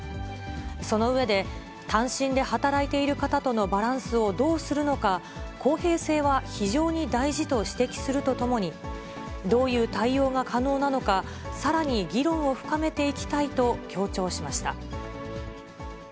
その上で、単身で働いている方とのバランスをどうするのか、公平性は非常に大事と指摘するとともに、どういう対応が可能なのか、さらに議論を深めていきたいと強調しました。